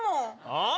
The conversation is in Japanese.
ああ？